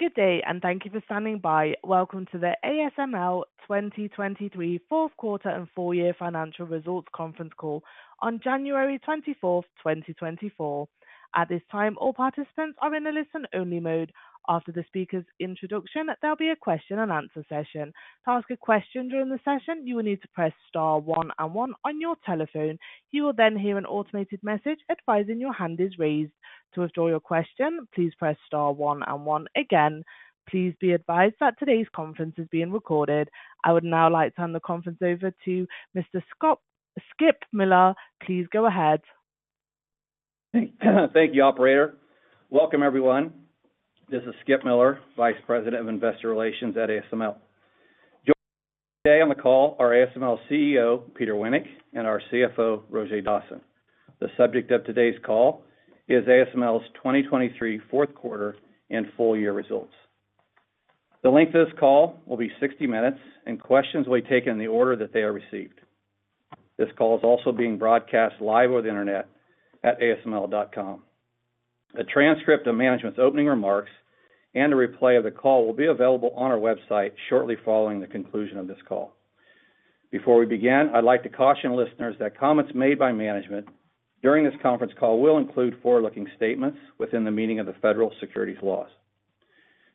Good day, and thank you for standing by. Welcome to the ASML 2023 Fourth Quarter and Full Year Financial Results Conference Call on January 24th, 2024. At this time, all participants are in a listen-only mode. After the speaker's introduction, there'll be a question-and-answer session. To ask a question during the session, you will need to press star one and one on your telephone. You will then hear an automated message advising your hand is raised. To withdraw your question, please press star one and one again. Please be advised that today's conference is being recorded. I would now like to turn the conference over to Mr. Skip Miller. Please go ahead. Thank you, operator. Welcome, everyone. This is Skip Miller, Vice President of Investor Relations at ASML. Joining me today on the call are ASML's CEO, Peter Wennink, and our CFO, Roger Dassen. The subject of today's call is ASML's 2023 fourth quarter and full year results. The length of this call will be 60 minutes, and questions will be taken in the order that they are received. This call is also being broadcast live over the internet at asml.com. A transcript of management's opening remarks and a replay of the call will be available on our website shortly following the conclusion of this call. Before we begin, I'd like to caution listeners that comments made by management during this conference call will include forward-looking statements within the meaning of the federal securities laws.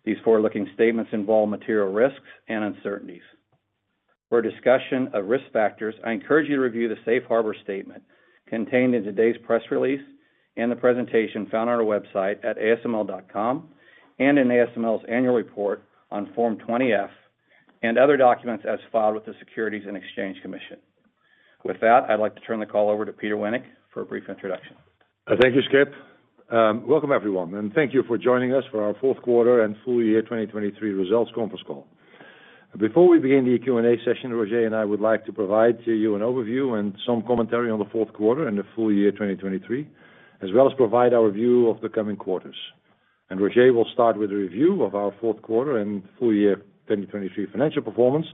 These forward-looking statements involve material risks and uncertainties. For a discussion of risk factors, I encourage you to review the safe harbor statement contained in today's press release, and the presentation found on our website at asml.com, and in ASML's annual report on Form 20-F, and other documents as filed with the Securities and Exchange Commission. With that, I'd like to turn the call over to Peter Wennink for a brief introduction. Thank you, Skip. Welcome everyone, and thank you for joining us for our fourth quarter and full year 2023 results conference call. Before we begin the Q&A session, Roger and I would like to provide to you an overview and some commentary on the fourth quarter and the full year 2023, as well as provide our view of the coming quarters. Roger will start with a review of our fourth quarter and full year 2023 financial performance,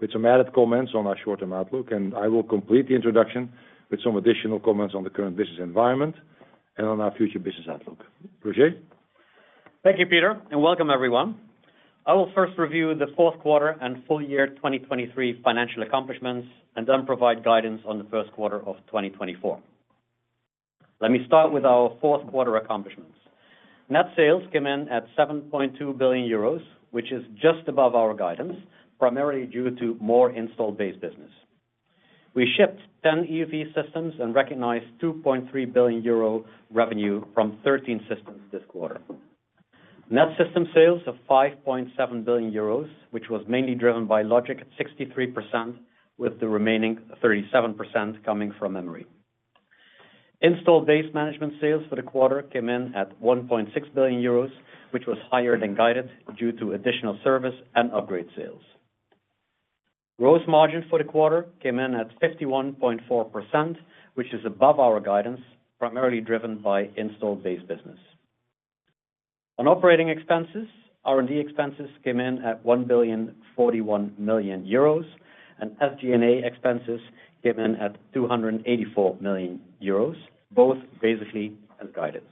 with some added comments on our short-term outlook, and I will complete the introduction with some additional comments on the current business environment and on our future business outlook. Roger? Thank you, Peter, and welcome everyone. I will first review the fourth quarter and full year 2023 financial accomplishments, and then provide guidance on the first quarter of 2024. Let me start with our fourth quarter accomplishments. Net sales came in at 7.2 billion euros, which is just above our guidance, primarily due to more installed base business. We shipped 10 EUV systems and recognized 2.3 billion euro revenue from 13 systems this quarter. Net system sales of 5.7 billion euros, which was mainly driven by logic at 63%, with the remaining 37% coming from memory. Installed base management sales for the quarter came in at 1.6 billion euros, which was higher than guided due to additional service and upgrade sales. Gross margin for the quarter came in at 51.4%, which is above our guidance, primarily driven by installed base business. On operating expenses, R&D expenses came in at 1.041 billion, and SG&A expenses came in at 284 million euros, both basically as guided.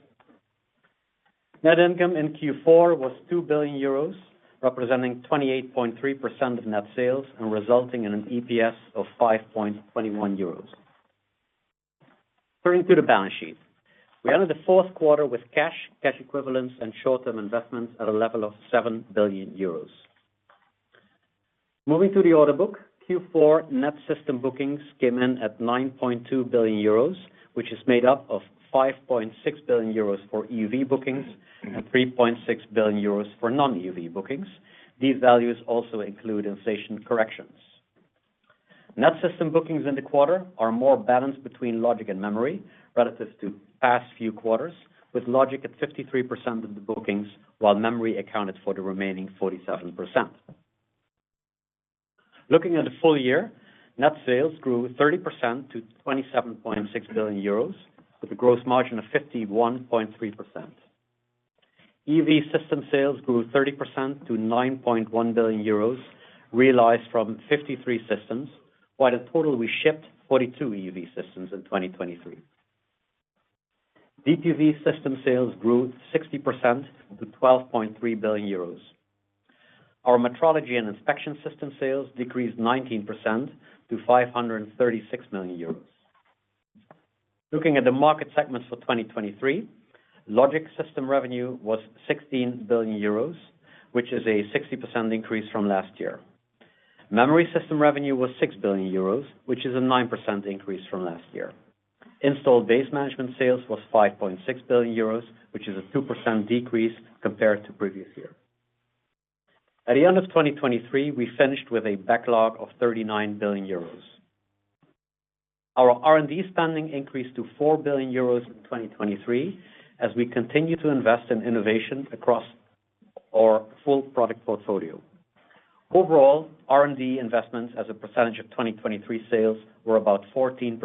Net income in Q4 was 2 billion euros, representing 28.3% of net sales, and resulting in an EPS of 5.21 euros. Turning to the balance sheet. We ended the fourth quarter with cash, cash equivalents, and short-term investments at a level of 7 billion euros. Moving to the order book, Q4 net system bookings came in at 9.2 billion euros, which is made up of 5.6 billion euros for EUV bookings and 3.6 billion euros for non-EUV bookings. These values also include inflation corrections. Net system bookings in the quarter are more balanced between logic and memory relative to past few quarters, with logic at 53% of the bookings, while memory accounted for the remaining 47%. Looking at the full year, net sales grew 30% to 27.6 billion euros, with a gross margin of 51.3%. EUV system sales grew 30% to 9.1 billion euros, realized from 53 systems, while in total we shipped 42 EUV systems in 2023. DUV system sales grew 60% to 12.3 billion euros. Our metrology and inspection system sales decreased 19% to 536 million euros. Looking at the market segments for 2023, logic system revenue was 16 billion euros, which is a 60% increase from last year. Memory system revenue was 6 billion euros, which is a 9% increase from last year. Installed base management sales was 5.6 billion euros, which is a 2% decrease compared to previous year. At the end of 2023, we finished with a backlog of 39 billion euros. Our R&D spending increased to 4 billion euros in 2023, as we continue to invest in innovation across our full product portfolio. Overall, R&D investments as a percentage of 2023 sales were about 14%.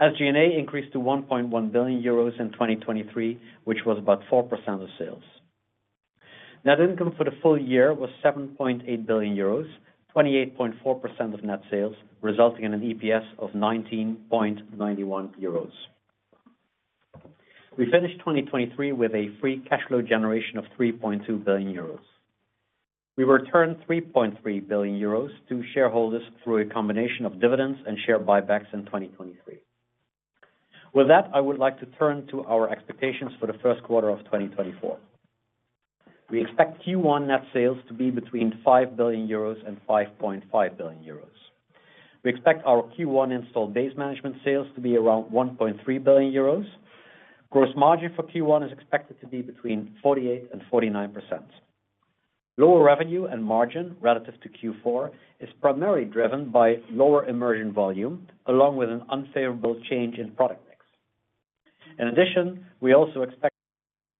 SG&A increased to 1.1 billion euros in 2023, which was about 4% of sales. Net income for the full year was 7.8 billion euros, 28.4% of net sales, resulting in an EPS of 19.91 euros. We finished 2023 with a free cash flow generation of 3.2 billion euros. We returned 3.3 billion euros to shareholders through a combination of dividends and share buybacks in 2023. With that, I would like to turn to our expectations for the first quarter of 2024. We expect Q1 net sales to be between 5 billion euros and 5.5 billion euros. We expect our Q1 installed base management sales to be around 1.3 billion euros. Gross margin for Q1 is expected to be between 48% and 49%. Lower revenue and margin relative to Q4 is primarily driven by lower immersion volume, along with an unfavorable change in product mix. In addition, we also expect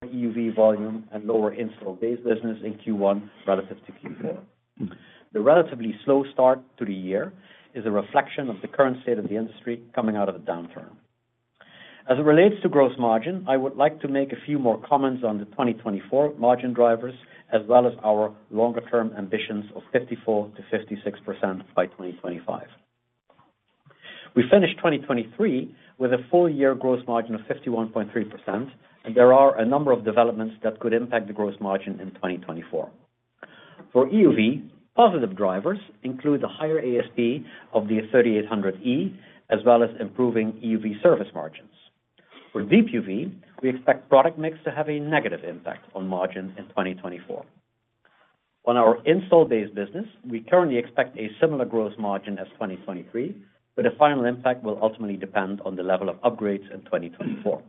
EUV volume and lower installed base business in Q1 relative to Q4. The relatively slow start to the year is a reflection of the current state of the industry coming out of the downturn. As it relates to gross margin, I would like to make a few more comments on the 2024 margin drivers, as well as our longer-term ambitions of 54%-56% by 2025. We finished 2023 with a full year gross margin of 51.3%, and there are a number of developments that could impact the gross margin in 2024. For EUV, positive drivers include the higher ASP of the 3800E, as well as improving EUV service margins. For DUV, we expect product mix to have a negative impact on margin in 2024. On our installed base business, we currently expect a similar gross margin as 2023, but the final impact will ultimately depend on the level of upgrades in 2024.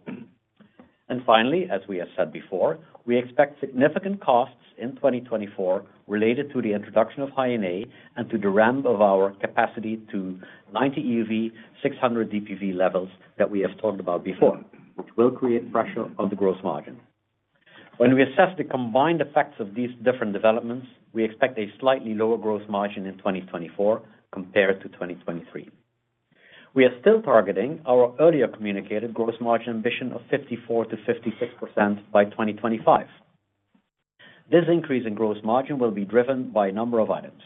And finally, as we have said before, we expect significant costs in 2024 related to the introduction of High NA and to the ramp of our capacity to 90 EUV, 600 DUV levels that we have talked about before, which will create pressure on the gross margin. When we assess the combined effects of these different developments, we expect a slightly lower gross margin in 2024 compared to 2023. We are still targeting our earlier communicated gross margin ambition of 54%-56% by 2025. This increase in gross margin will be driven by a number of items.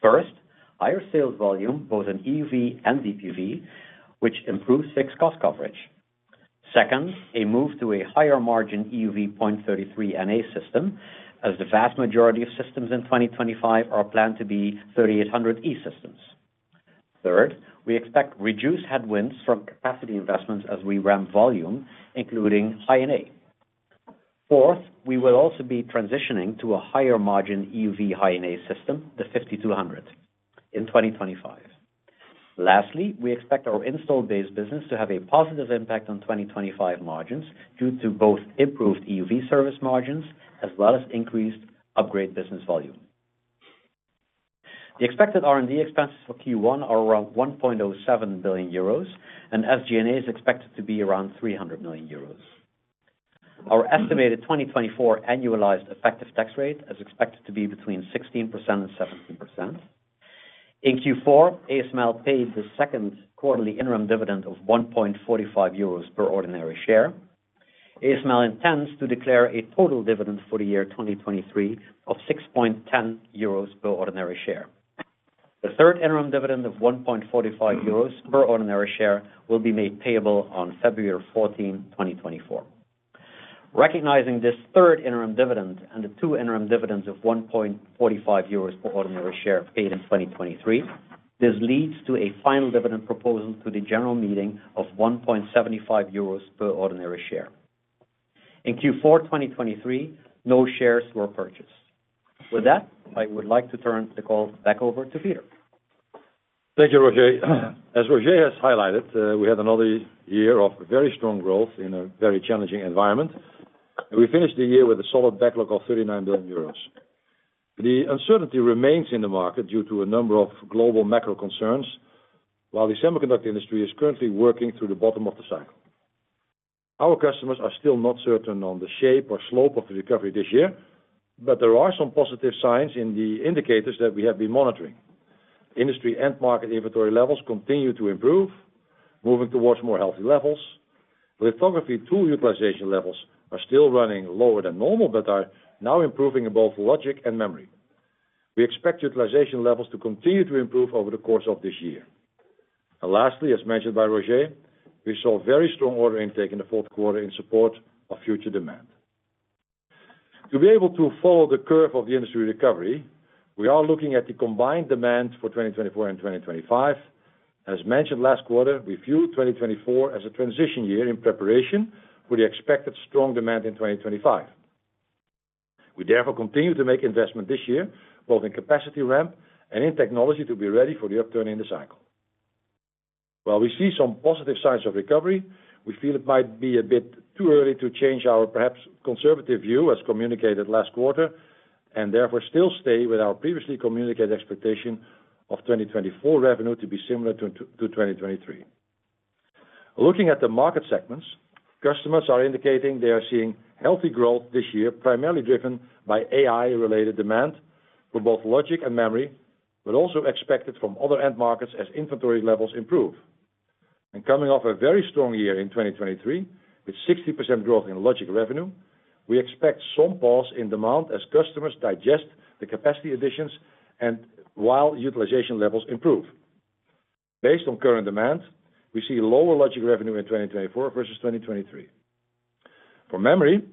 First, higher sales volume, both in EUV and DUV, which improves fixed cost coverage. Second, a move to a higher margin EUV 0.33 NA system, as the vast majority of systems in 2025 are planned to be 3,800E systems. Third, we expect reduced headwinds from capacity investments as we ramp volume, including High NA. Fourth, we will also be transitioning to a higher margin EUV High NA system, the 5200, in 2025. Lastly, we expect our installed base business to have a positive impact on 2025 margins, due to both improved EUV service margins as well as increased upgrade business volume. The expected R&D expenses for Q1 are around 1.07 billion euros, and SG&A is expected to be around 300 million euros. Our estimated 2024 annualized effective tax rate is expected to be between 16% and 17%. In Q4, ASML paid the second quarterly interim dividend of 1.45 euros per ordinary share. ASML intends to declare a total dividend for the year 2023 of 6.10 euros per ordinary share. The third interim dividend of 1.45 euros per ordinary share will be made payable on February fourteenth, 2024. Recognizing this 1/3 interim dividend and the two interim dividends of 1.45 euros per ordinary share paid in 2023, this leads to a final dividend proposal to the general meeting of 1.75 euros per ordinary share. In Q4 2023, no shares were purchased. With that, I would like to turn the call back over to Peter. Thank you, Roger. As Roger has highlighted, we had another year of very strong growth in a very challenging environment, and we finished the year with a solid backlog of 39 billion euros. The uncertainty remains in the market due to a number of global macro concerns, while the semiconductor industry is currently working through the bottom of the cycle. Our customers are still not certain on the shape or slope of the recovery this year, but there are some positive signs in the indicators that we have been monitoring. Industry and market inventory levels continue to improve, moving towards more healthy levels. Lithography tool utilization levels are still running lower than normal, but are now improving in both logic and memory. We expect utilization levels to continue to improve over the course of this year. And lastly, as mentioned by Roger, we saw very strong order intake in the fourth quarter in support of future demand. To be able to follow the curve of the industry recovery, we are looking at the combined demand for 2024 and 2025. As mentioned last quarter, we view 2024 as a transition year in preparation for the expected strong demand in 2025. We therefore continue to make investment this year, both in capacity ramp and in technology, to be ready for the upturn in the cycle. While we see some positive signs of recovery, we feel it might be a bit too early to change our perhaps conservative view, as communicated last quarter, and therefore still stay with our previously communicated expectation of 2024 revenue to be similar to 2023. Looking at the market segments, customers are indicating they are seeing healthy growth this year, primarily driven by AI-related demand for both logic and memory, but also expected from other end markets as inventory levels improve. Coming off a very strong year in 2023, with 60% growth in logic revenue, we expect some pause in demand as customers digest the capacity additions and while utilization levels improve. Based on current demand, we see lower logic revenue in 2024 versus 2023. For memory,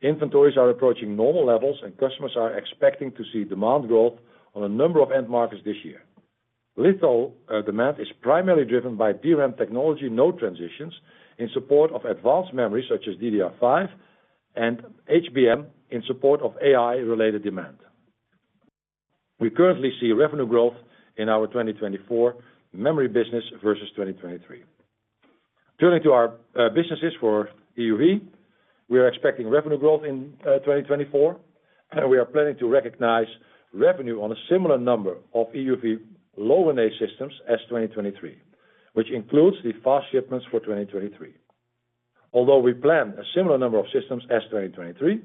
inventories are approaching normal levels, and customers are expecting to see demand growth on a number of end markets this year. Litho demand is primarily driven by DRAM technology node transitions in support of advanced memory, such as DDR5 and HBM, in support of AI-related demand. We currently see revenue growth in our 2024 memory business versus 2023. Turning to our businesses for EUV, we are expecting revenue growth in 2024, and we are planning to recognize revenue on a similar number of EUV Low-NA systems as 2023, which includes the fast shipments for 2023. Although we plan a similar number of systems as 2023,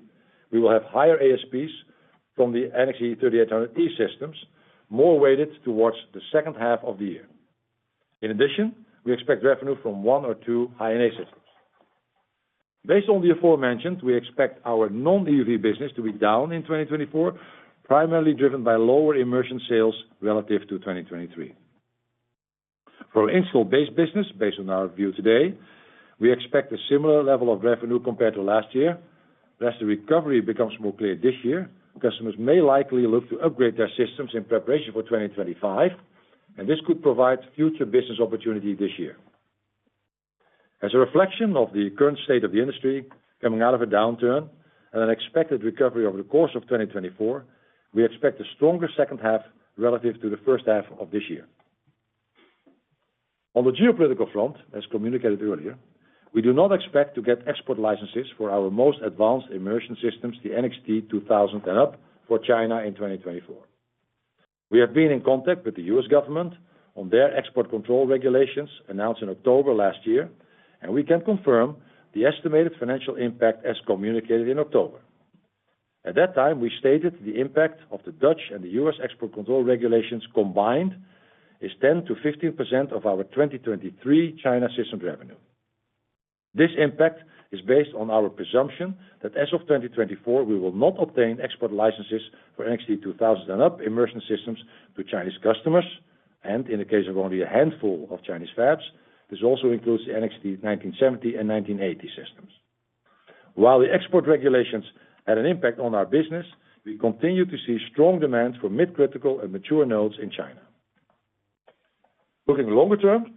we will have higher ASPs from the NXT:3800E systems, more weighted towards the second half of the year. In addition, we expect revenue from 1 or 2 High-NA systems. Based on the aforementioned, we expect our non-EUV business to be down in 2024, primarily driven by lower immersion sales relative to 2023. For our installed base business, based on our view today, we expect a similar level of revenue compared to last year. As the recovery becomes more clear this year, customers may likely look to upgrade their systems in preparation for 2025, and this could provide future business opportunity this year. As a reflection of the current state of the industry, coming out of a downturn and an expected recovery over the course of 2024, we expect a stronger second half relative to the first half of this year. On the geopolitical front, as communicated earlier, we do not expect to get export licenses for our most advanced immersion systems, the NXT 2000 and up, for China in 2024. We have been in contact with the U.S. government on their export control regulations announced in October last year, and we can confirm the estimated financial impact as communicated in October. At that time, we stated the impact of the Dutch and the U.S. export control regulations combined is 10%-15% of our 2023 China systems revenue. This impact is based on our presumption that as of 2024, we will not obtain export licenses for NXT 2000 and up immersion systems to Chinese customers, and in the case of only a handful of Chinese fabs, this also includes the NXT 1970 and 1980 systems. While the export regulations had an impact on our business, we continue to see strong demand for mid-critical and mature nodes in China. Looking longer term,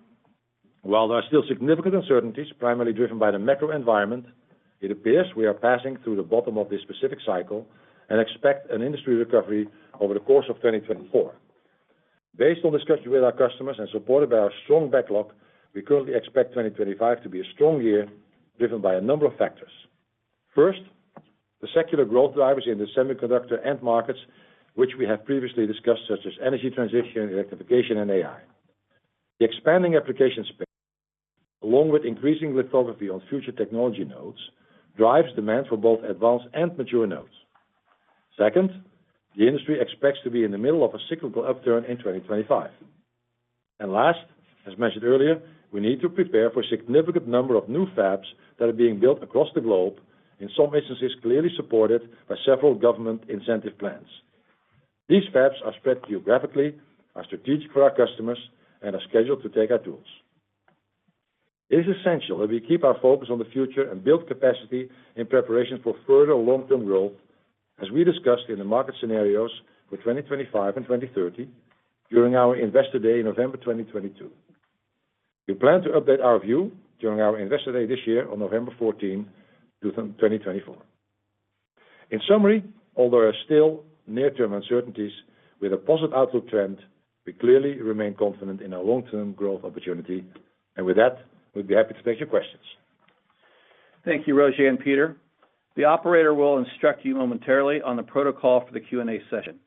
while there are still significant uncertainties, primarily driven by the macro environment, it appears we are passing through the bottom of this specific cycle and expect an industry recovery over the course of 2024. Based on discussions with our customers and supported by our strong backlog, we currently expect 2025 to be a strong year, driven by a number of factors. First, the secular growth drivers in the semiconductor end markets, which we have previously discussed, such as energy transition, electrification, and AI. The expanding application space, along with increasing lithography on future technology nodes, drives demand for both advanced and mature nodes. Second, the industry expects to be in the middle of a cyclical upturn in 2025. And last, as mentioned earlier, we need to prepare for significant number of new fabs that are being built across the globe, in some instances, clearly supported by several government incentive plans. These fabs are spread geographically, are strategic for our customers, and are scheduled to take our tools. It is essential that we keep our focus on the future and build capacity in preparation for further long-term growth, as we discussed in the market scenarios for 2025 and 2030, during our Investor Day in November 2022. We plan to update our view during our Investor Day this year on November 14, 2024. In summary, although there are still near-term uncertainties with a positive outlook trend, we clearly remain confident in our long-term growth opportunity. And with that, we'd be happy to take your questions. Thank you, Roger and Peter. The operator will instruct you momentarily on the protocol for the Q&A session.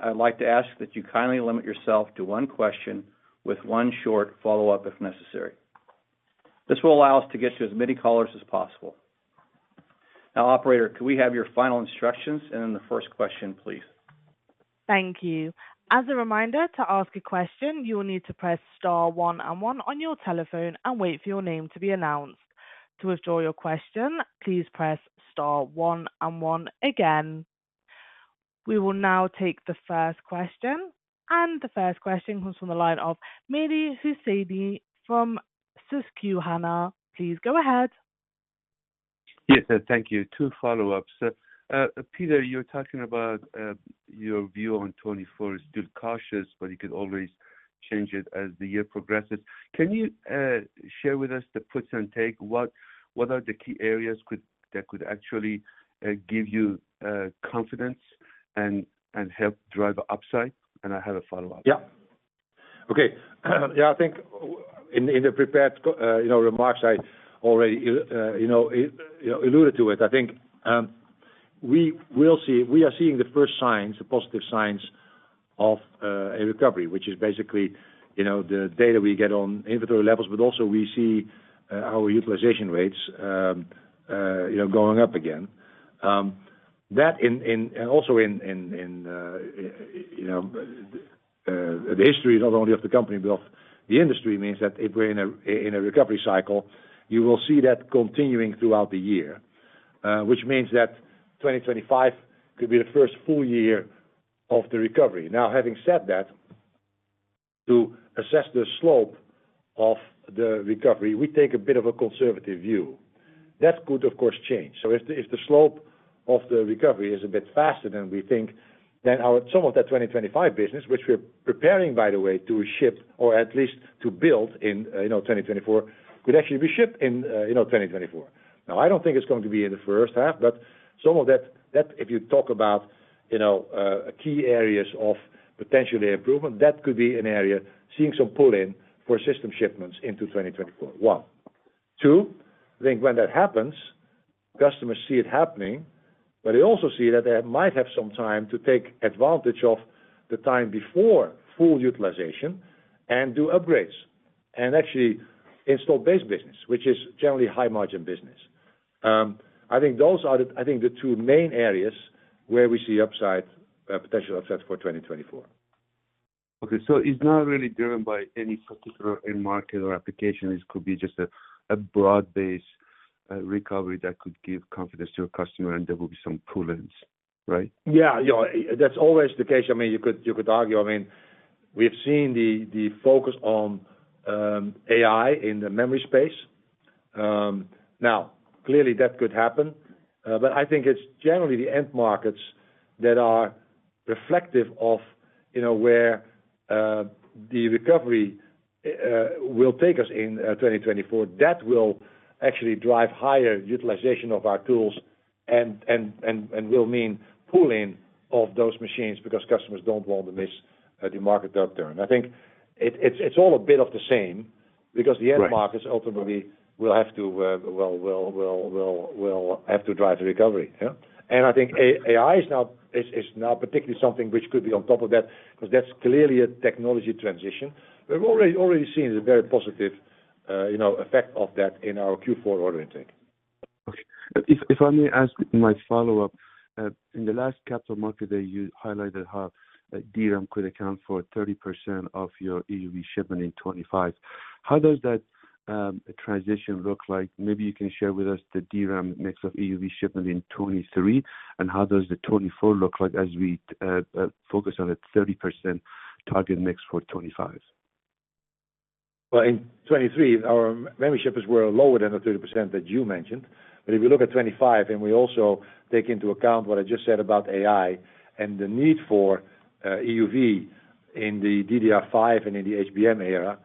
I'd like to ask that you kindly limit yourself to one question with one short follow-up, if necessary. This will allow us to get to as many callers as possible. Now, operator, could we have your final instructions and then the first question, please? Thank you. As a reminder, to ask a question, you will need to press star one and one on your telephone and wait for your name to be announced. To withdraw your question, please press star one and one again. We will now take the first question, and the first question comes from the line of Mehdi Hosseini from Susquehanna. Please go ahead. Yes, thank you. Two follow-ups. Peter, you're talking about your view on 2024 is still cautious, but you could always change it as the year progresses. Can you share with us the puts and takes? What are the key areas that could actually give you confidence and help drive upside? And I have a follow-up. Yeah. Okay. Yeah, I think in the prepared, you know, remarks, I already, you know, alluded to it. I think, we will see--we are seeing the first signs, the positive signs of, a recovery, which is basically, you know, the data we get on inventory levels, but also we see, our utilization rates, you know, going up again. That, and also in the history, not only of the company, but of the industry, means that if we're in a recovery cycle, you will see that continuing throughout the year. Which means that 2025 could be the first full year of the recovery. Now, having said that, to assess the slope of the recovery, we take a bit of a conservative view. That could, of course, change. So if the slope of the recovery is a bit faster than we think, then some of that 2025 business, which we're preparing, by the way, to ship or at least to build in, you know, 2024, could actually be shipped in, you know, 2024. Now, I don't think it's going to be in the first half, but some of that if you talk about, you know, key areas of potential improvement, that could be an area seeing some pull-in for system shipments into 2024, one. Two, I think when that happens, customers see it happening, but they also see that they might have some time to take advantage of the time before full utilization and do upgrades, and actually installed base business, which is generally high-margin business. I think those are the, I think, the two main areas where we see upside, potential upside for 2024. Okay. So it's not really driven by any particular end market or application. This could be just a broad-based recovery that could give confidence to a customer and there will be some pull-ins, right? Yeah, that's always the case. I mean, you could, you could argue, I mean, we've seen the focus on AI in the memory space. Now, clearly, that could happen, but I think it's generally the end markets that are reflective of, you know, where the recovery will take us in 2024. That will actually drive higher utilization of our tools and will mean pull-in of those machines because customers don't want to miss the market upturn. I think it's all a bit of the same, because the end markets ultimately will have to, well, drive the recovery. Yeah. And I think AI is now particularly something which could be on top of that, because that's clearly a technology transition. We've already seen the very positive, you know, effect of that in our Q4 order intake. Okay. If I may ask my follow-up. In the last Capital Markets Day, you highlighted how DRAM could account for 30% of your EUV shipment in 2025. How does that transition look like? Maybe you can share with us the DRAM mix of EUV shipment in 2023, and how does the 2024 look like as we focus on that 30% target mix for 2025? Well, in 2023, our memory shipments were lower than the 30% that you mentioned. But if you look at 2025, and we also take into account what I just said about AI and the need for EUV in the DDR5 and in the HBM era,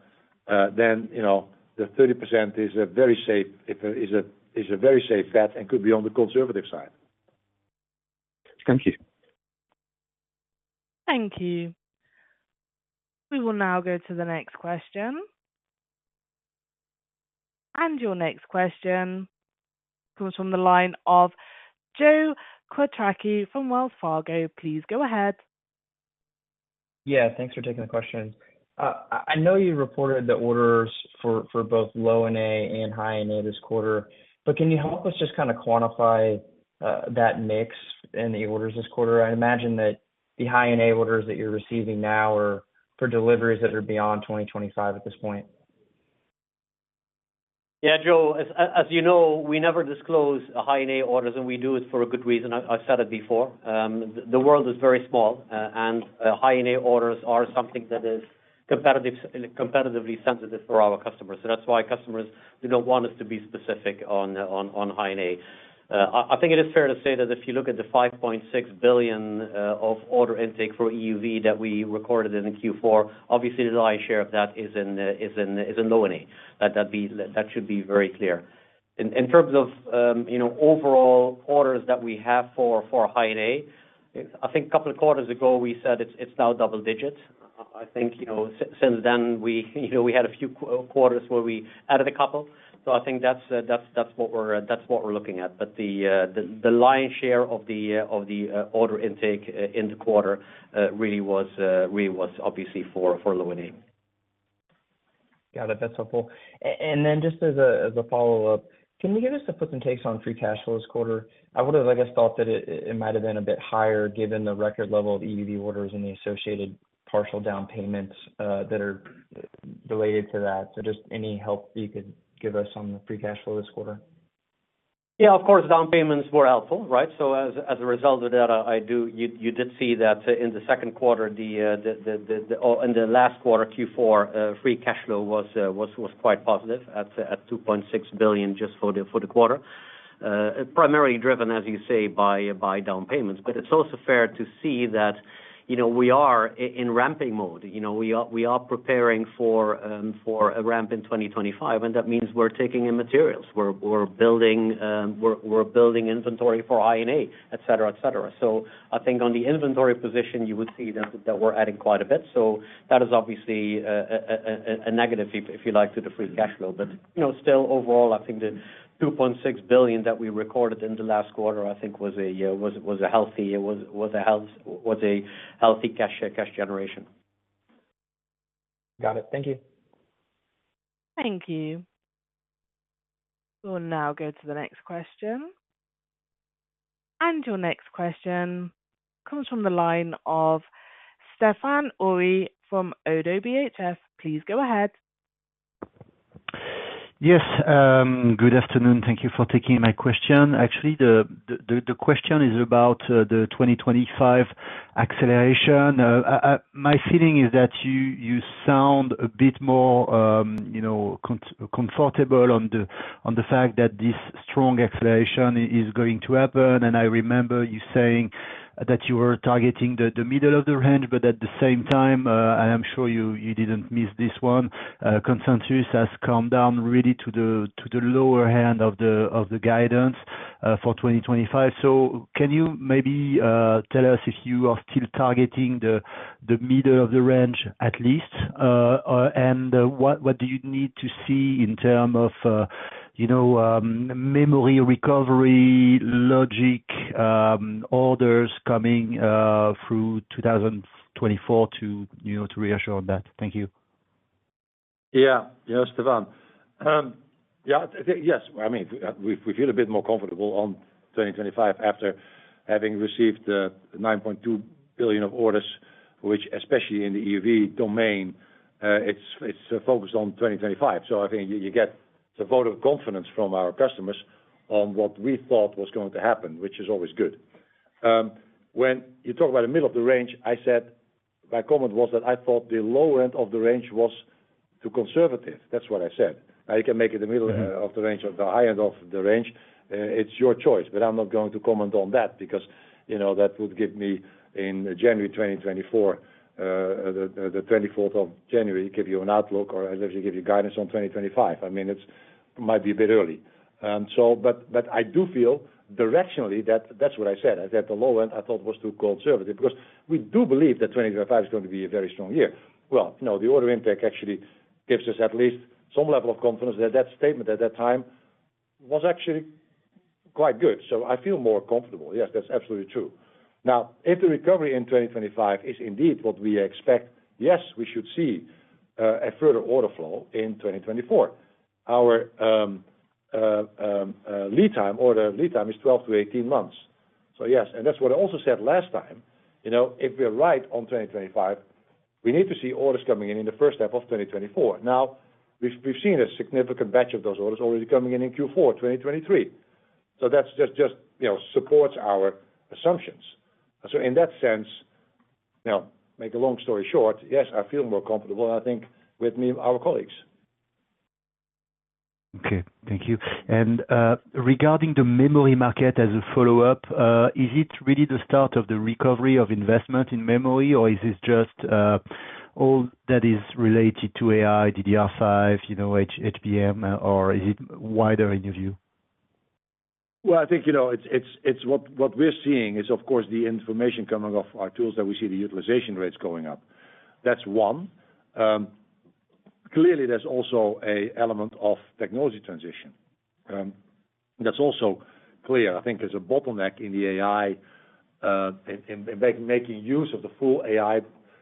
then, you know, the 30% is a very safe, is a very safe bet and could be on the conservative side. Thank you. Thank you. We will now go to the next question. Your next question comes from the line of Joe Quatrochi from Wells Fargo. Please go ahead. Yeah, thanks for taking the question. I know you reported the orders for both Low-NA and High-NA this quarter, but can you help us just kind of quantify that mix in the orders this quarter? I'd imagine that the High-NA orders that you're receiving now are for deliveries that are beyond 2025 at this point. Yeah, Joe, as you know, we never disclose High-NA orders, and we do it for a good reason. I've said it before. The world is very small, and High-NA orders are something that is competitively sensitive for our customers. So that's why customers, they don't want us to be specific on the High-NA. I think it is fair to say that if you look at the 5.6 billion of order intake for EUV that we recorded in the Q4, obviously, the lion's share of that is in the Low-NA. That should be very clear. In terms of, you know, overall orders that we have for High-NA, I think a couple of quarters ago, we said it's now double digits. I think, you know, since then, we, you know, we had a few quarters where we added a couple. So I think that's what we're looking at. But the lion's share of the order intake in the quarter really was obviously for Low NA. Got it. That's helpful. And then just as a follow-up, can you give us the puts and takes on free cash flow this quarter? I would have, I guess, thought that it, it might have been a bit higher given the record level of EUV orders and the associated partial down payments that are related to that. So just any help you could give us on the free cash flow this quarter? Yeah, of course, down payments were helpful, right? So as a result of that, I do--you did see that in the second quarter. Oh, in the last quarter, Q4, Free Cash Flow was quite positive at 2.6 billion just for the quarter. Primarily driven, as you say, by down payments. But it's also fair to see that, you know, we are in ramping mode. You know, we are preparing for a ramp in 2025, and that means we're taking in materials. We're building inventory for High-NA, et cetera, et cetera. So I think on the inventory position, you would see that we're adding quite a bit. So that is obviously a negative, if you like, to the free cash flow. But, you know, still overall, I think the 2.6 billion that we recorded in the last quarter, I think was a healthy cash generation. Got it. Thank you. Thank you. We'll now go to the next question. Your next question comes from the line of Stephane Houri from ODDO BHF. Please go ahead. Yes, good afternoon. Thank you for taking my question. Actually, the question is about the 2025 acceleration. My feeling is that you sound a bit more, you know, comfortable on the fact that this strong acceleration is going to happen. And I remember you saying that you were targeting the middle of the range, but at the same time, and I'm sure you didn't miss this one, consensus has come down really to the lower hand of the guidance for 2025. So can you maybe tell us if you are still targeting the middle of the range, at least? What do you need to see in terms of, you know, memory recovery, logic, orders coming through 2024 to, you know, to reassure on that? Thank you. Yeah, Stephane. Yeah, I think, yes, I mean, we, we feel a bit more comfortable on 2025 after having received 9.2 billion of orders, which, especially in the EUV domain, it's focused on 2025. So I think you get the vote of confidence from our customers on what we thought was going to happen, which is always good. When you talk about the middle of the range, I said-- my comment was that I thought the low end of the range was too conservative. That's what I said. Now, you can make it the middle of the range or the high end of the range, it's your choice, but I'm not going to comment on that because, you know, that would give me in January 2024, the twenty-fourth of January, give you an outlook or actually give you guidance on 2025. I mean, it might be a bit early. But I do feel directionally that that's what I said. I said the low end I thought was too conservative, because we do believe that 2025 is going to be a very strong year. Well, you know, the order impact actually gives us at least some level of confidence that that statement at that time was actually quite good. So I feel more comfortable. Yes, that's absolutely true. Now, if the recovery in 2025 is indeed what we expect, yes, we should see a further order flow in 2024. Our lead time, order lead time is 12-18 months. So yes, and that's what I also said last time. You know, if we're right on 2025, we need to see orders coming in in the first half of 2024. Now, we've seen a significant batch of those orders already coming in in Q4 2023. So that's just, you know, supports our assumptions. So in that sense, now, make a long story short, yes, I feel more comfortable, and I think with me, our colleagues. Okay. Thank you. And, regarding the memory market, as a follow-up, is it really the start of the recovery of investment in memory, or is this just, all that is related to AI, DDR5, you know, HBM, or is it wider in your view? Well, I think, you know, it's what we're seeing is, of course, the information coming off our tools, that we see the utilization rates going up. That's one. Clearly, there's also a element of technology transition. That's also clear. I think there's a bottleneck in the AI, in making use of the full AI,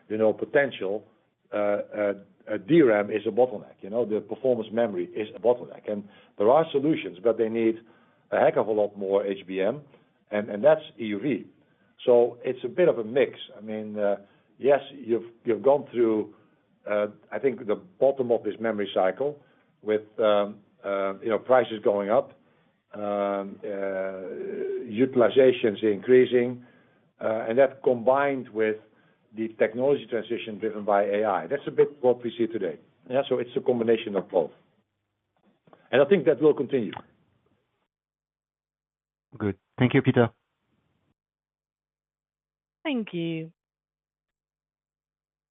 you know, potential. DRAM is a bottleneck, you know, the performance memory is a bottleneck. And there are solutions, but they need a heck of a lot more HBM, and that's EUV. So it's a bit of a mix. I mean, yes, you've gone through, I think, the bottom of this memory cycle with, you know, prices going up, utilizations increasing, and that combined with the technology transition driven by AI. That's a bit what we see today. Yeah, so it's a combination of both. And I think that will continue. Good. Thank you, Peter. Thank you.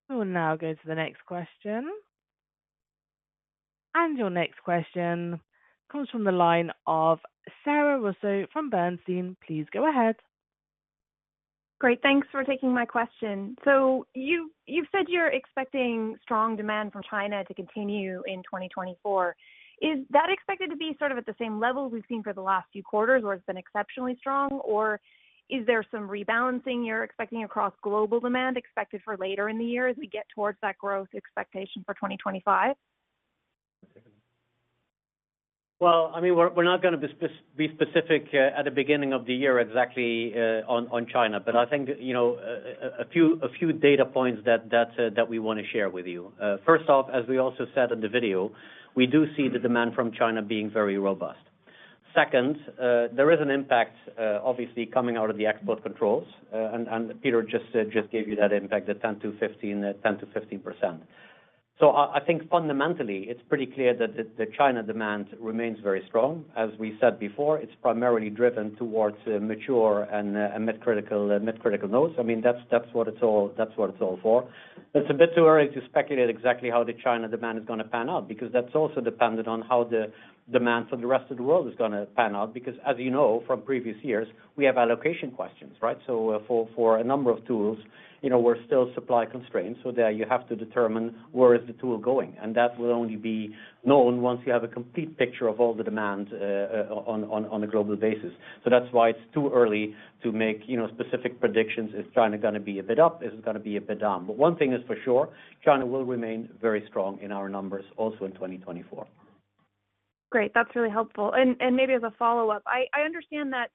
We will now go to the next question. Your next question comes from the line of Sara Russo from Bernstein. Please go ahead. Great. Thanks for taking my question. So you, you've said you're expecting strong demand from China to continue in 2024. Is that expected to be sort of at the same level we've seen for the last few quarters, or it's been exceptionally strong? Or is there some rebalancing you're expecting across global demand expected for later in the year as we get towards that growth expectation for 2025? Well, I mean, we're not gonna be specific at the beginning of the year, exactly, on China. But I think, you know, a few data points that we wanna share with you. First off, as we also said in the video, we do see the demand from China being very robust. Second, there is an impact, obviously coming out of the export controls, and Peter just said, just gave you that impact, the 10%-15%. So I think fundamentally, it's pretty clear that the China demand remains very strong. As we said before, it's primarily driven towards mature and mid-critical nodes. I mean, that's what it's all for. It's a bit too early to speculate exactly how the China demand is gonna pan out, because that's also dependent on how the demand for the rest of the world is gonna pan out. Because, as you know, from previous years, we have allocation questions, right? So, for a number of tools, you know, we're still supply constrained, so there you have to determine where is the tool going. And that will only be known once you have a complete picture of all the demand, on a global basis. So that's why it's too early to make, you know, specific predictions. Is China gonna be a bit up? Is it gonna be a bit down? But one thing is for sure, China will remain very strong in our numbers also in 2024. Great, that's really helpful. And maybe as a follow-up, I understand that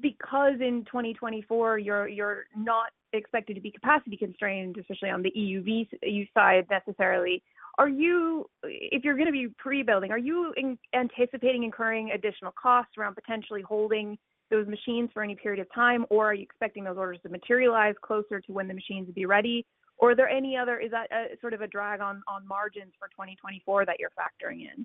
because in 2024 you're not expected to be capacity constrained, especially on the EUV side, necessarily. Are you-- if you're gonna be pre-building, anticipating incurring additional costs around potentially holding those machines for any period of time? Or are you expecting those orders to materialize closer to when the machines will be ready? Or, is that a sort of a drag on margins for 2024 that you're factoring in?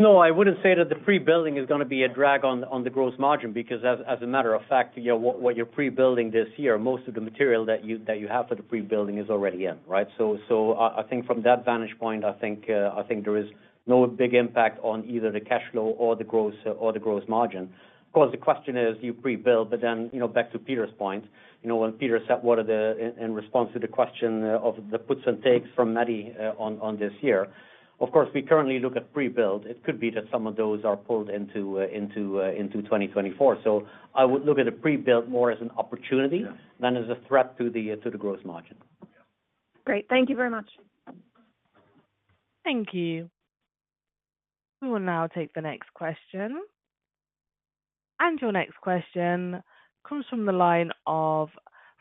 No, I wouldn't say that the pre-building is gonna be a drag on the gross margin, because as a matter of fact, you know, what you're pre-building this year, most of the material that you have for the pre-building is already in, right? So I think from that vantage point, I think there is no big impact on either the cash flow or the gross margin. Of course, the question is, you pre-build, but then, you know, back to Peter's point. You know, when Peter said, what are the In response to the question of the puts and takes from Mehdi on this year. Of course, we currently look at pre-build. It could be that some of those are pulled into 2024. I would look at a pre-build more as an opportunity than as a threat to the gross margin. Yeah. Great. Thank you very much. Thank you. We will now take the next question. Your next question comes from the line of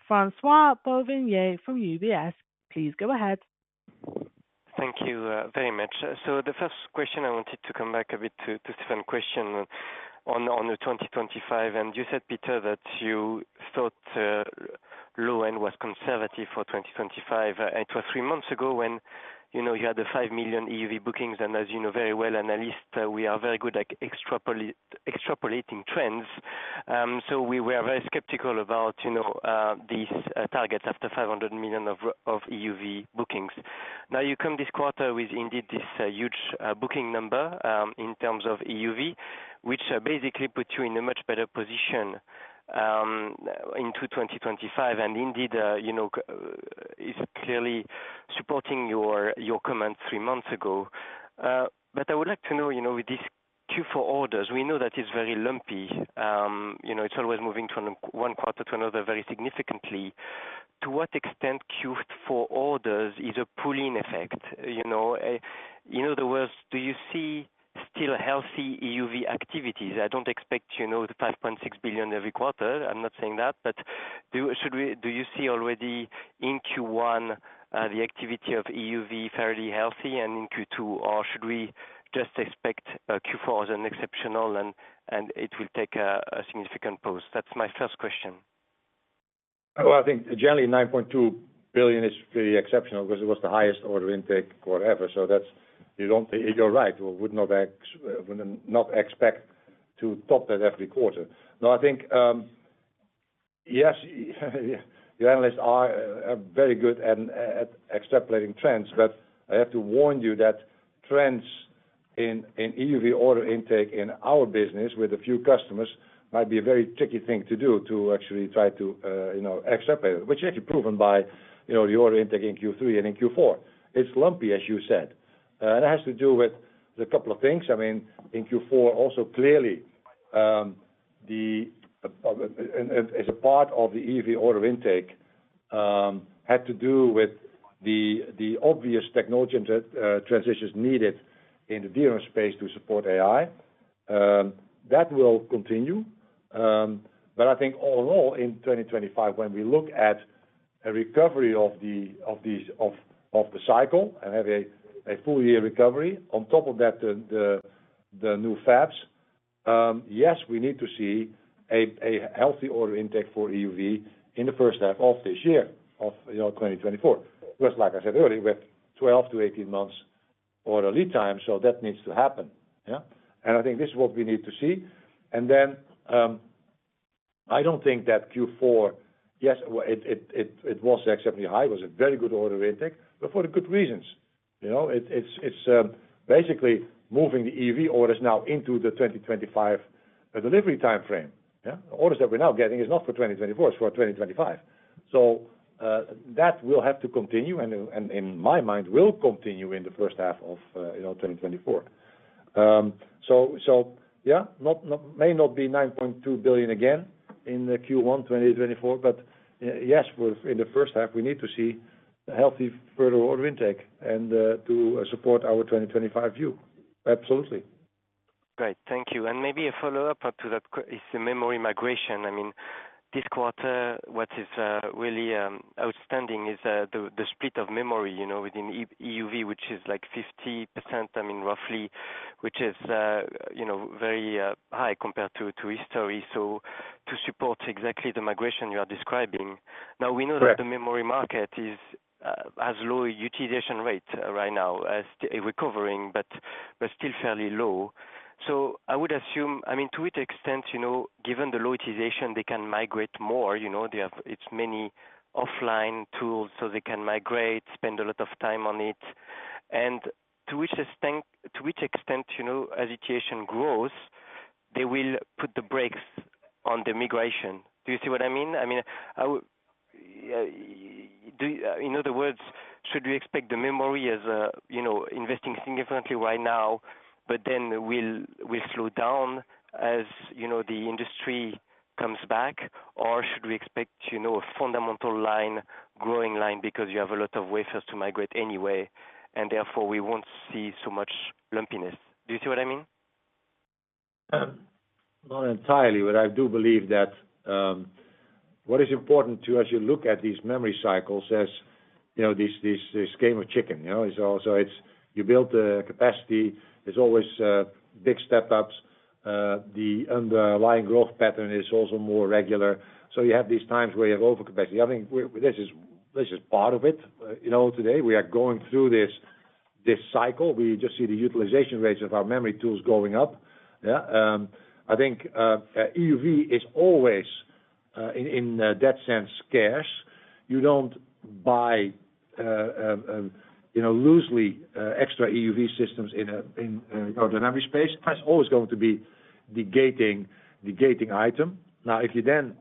Francois-Xavier Bouvignies from UBS. Please go ahead. Thank you, very much. So the first question, I wanted to come back a bit to some question on the 2025, and you said, Peter, that you thought low end was conservative for 2025. It was three months ago when, you know, you had the 5 million EUV bookings, and as you know very well, analysts, we are very good at extrapolating, extrapolating trends. So we were very skeptical about, you know, these targets after 500 million of EUV bookings. Now, you come this quarter with indeed this huge booking number in terms of EUV, which basically puts you in a much better position into 2025 and indeed, you know, which is clearly supporting your comment three months ago. But I would like to know, you know, with these Q4 orders, we know that it's very lumpy. You know, it's always moving from one quarter-to-another very significantly. To what extent Q4 orders is a pulling effect, you know? In other words, do you see still healthy EUV activities? I don't expect, you know, the 5.6 billion every quarter. I'm not saying that, but do you see already in Q1 the activity of EUV fairly healthy and in Q2? Or should we just expect Q4 as an exceptional and it will take a significant pause? That's my first question. Well, I think generally 9.2 billion is pretty exceptional because it was the highest order intake quarter ever. So that's--you don't, you're right. We would not expect to top that every quarter. No, I think, yes, the analysts are very good at extrapolating trends, but I have to warn you that trends in EUV order intake in our business with a few customers, might be a very tricky thing to do, to actually try to, you know, extrapolate, which is actually proven by, you know, your intake in Q3 and in Q4. It's lumpy, as you said. It has to do with a couple of things. I mean, in Q4 also clearly, and as a part of the EUV order intake, had to do with the obvious technology and transitions needed in the DRAM space to support AI. That will continue. But I think overall, in 2025, when we look at a recovery of the cycle and have a full year recovery on top of that, the new fabs, yes, we need to see a healthy order intake for EUV in the first half of this year, you know, 2024. Because like I said earlier, we have 12-18 months order lead time, so that needs to happen. Yeah. And I think this is what we need to see. And then, I don't think that Q4-- Yes, well, it was exceptionally high. It was a very good order intake, but for the good reasons. You know, it's basically moving the EUV orders now into the 2025 delivery time frame. Yeah. The orders that we're now getting is not for 2024, it's for 2025. So, that will have to continue, and in my mind, will continue in the first half of, you know, 2024. So yeah, it may not be 9.2 billion again in the Q1 2024, but yes, well, in the first half, we need to see a healthy further order intake and to support our 2025 view. Absolutely. Great. Thank you. And maybe a follow-up to that que-- is the memory migration. I mean, this quarter, what is really outstanding is the split of memory, you know, within EUV, which is like 50%, I mean, roughly, which is, you know, very high compared to history. So to support exactly the migration you are describing. Correct. Now, we know that the memory market is recovering, but has low utilization rates right now, but still fairly low. So I would assume, I mean, to what extent, you know, given the low utilization, they can migrate more, you know, they have many offline tools, so they can migrate, spend a lot of time on it. And to which extent, you know, as utilization grows, they will put the brakes on the migration. Do you see what I mean? I mean, in other words, should we expect the memory, as you know, investing significantly right now, but then will slow down, as you know, the industry comes back, or should we expect, you know, a fundamental line, growing line, because you have a lot of wafers to migrate anyway, and therefore we won't see so much lumpiness? Do you see what I mean? Not entirely, but I do believe that what is important to, as you look at these memory cycles, you know, this game of chicken, you know? It's also, it's you build the capacity, there's always big step-ups. The underlying growth pattern is also more regular, so you have these times where you have overcapacity. I think this is part of it. You know, today, we are going through this cycle. We just see the utilization rates of our memory tools going up. Yeah, I think EUV is always in that sense scarce. You don't buy you know loosely extra EUV systems in a you know dynamic space. That's always going to be the gating item. Now, if you then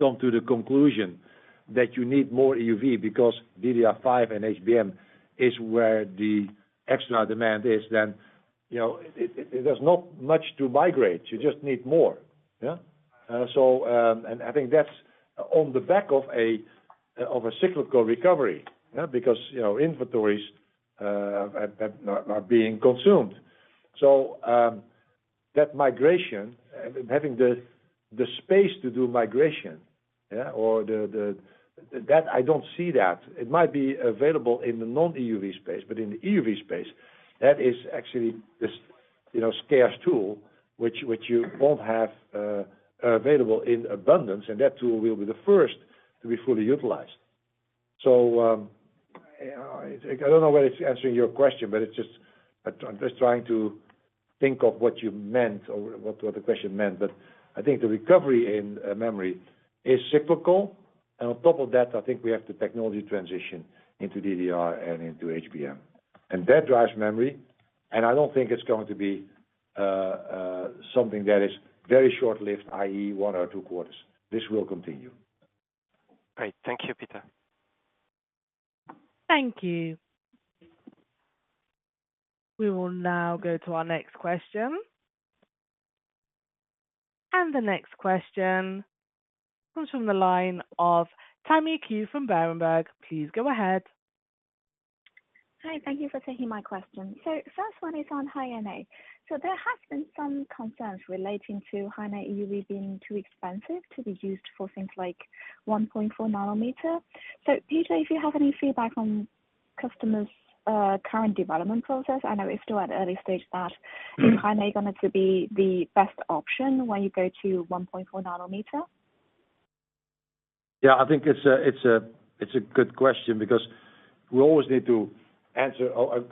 come to the conclusion that you need more EUV because DDR5 and HBM is where the external demand is, then, you know, there's not much to migrate. You just need more, yeah? So, and I think that's on the back of a cyclical recovery. Yeah, because, you know, inventories are being consumed. So, that migration, having the space to do migration, yeah, or the--that, I don't see that. It might be available in the non-EUV space, but in the EUV space, that is actually this, you know, scarce tool, which you won't have available in abundance, and that tool will be the first to be fully utilized. So, I don't know whether it's answering your question, but it's just, I'm just trying to think of what you meant or what the question meant. But I think the recovery in memory is cyclical, and on top of that, I think we have the technology transition into DDR and into HBM. And that drives memory, and I don't think it's going to be something that is very short-lived, i.e., one or two quarters. This will continue. Great. Thank you, Peter. Thank you. We will now go to our next question. The next question comes from the line of Tammy Qiu from Berenberg. Please go ahead. Hi, thank you for taking my question. So first one is on High NA. So there has been some concerns relating to High NA EUV being too expensive to be used for things like 1.4 nanometer. So Peter, if you have any feedback on customers' current development process. I know it's still at early stage, but is High NA going to be the best option when you go to 1.4 nanometer? Yeah, I think it's a good question because we always need to answer or